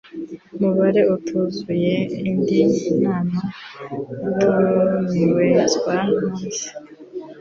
mubare utuzuye indi nama itumizwa mu minsi